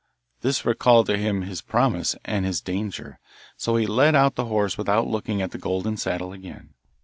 This recalled to him his promise and his danger, so he led out the horse without looking at the golden saddle again.